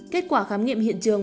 kết quả khám nghiệm hiện trường